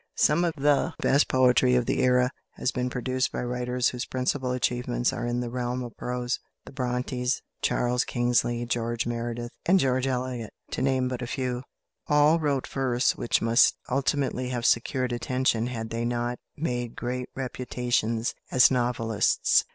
Some of the best poetry of the era has been produced by writers whose principal achievements are in the realm of prose. The Brontës, Charles Kingsley, George Meredith, and George Eliot to name but a few all wrote verse which must ultimately have secured attention had they not made great reputations as novelists.